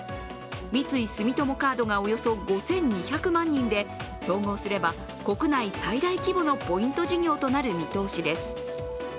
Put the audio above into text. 三井住友カードがおよそ５２００万人で統合すれば国内最大規模のポイント事業となる見通しです。